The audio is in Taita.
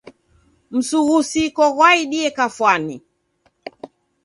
Msughusiko ghwaidie kafwani.